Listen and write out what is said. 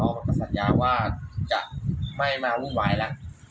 ยังก็สัญญาว่าจะไม่มาวุ่งวายล่ะ